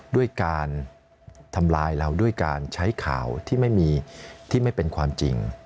ด้วยการทำลายเราด้วยการใช้ข่าวที่ไม่มีที่ไม่เป็นความจริง